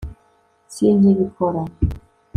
sinkibikora